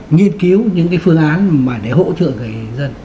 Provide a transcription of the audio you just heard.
nghiên cứu những cái phương án để hỗ trợ cái dân